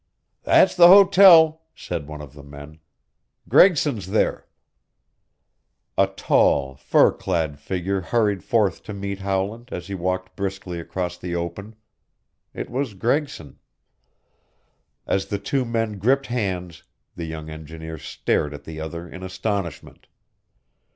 "That's the hotel," said one of the men. "Gregson's there." A tall, fur clad figure hurried forth to meet Howland as he walked briskly across the open. It was Gregson. As the two men gripped hands the young engineer stared at the other in astonishment.